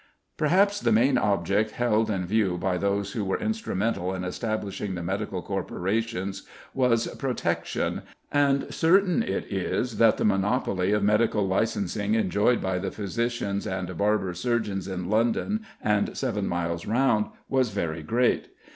Perhaps the main object held in view by those who were instrumental in establishing the medical corporations was "protection," and certain it is that the monopoly of medical licensing enjoyed by the physicians and the barber surgeons in London and seven miles round was very great.